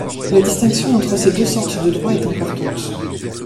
La distinction entre ces deux sortes de droits est importante.